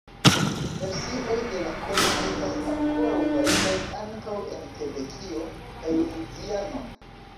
Versioj de la Kodo estas ankoraŭ validaj ankaŭ en Kebekio kaj Luiziano.